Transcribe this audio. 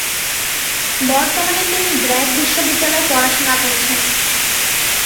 বর্তমানে তিনি ব্র্যাক বিশ্ববিদ্যালয়ে পড়াশোনা করছেন।